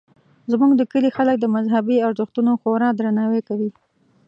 زموږ د کلي خلک د مذهبي ارزښتونو خورا درناوی کوي